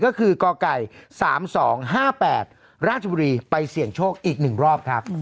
ก็คือกักไก่สามสองห้าแปดราชบุรีไปเสี่ยงโชคอีกหนึ่งรอบครับ